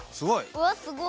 うわっすごっ！